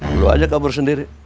bulu aja kabur sendiri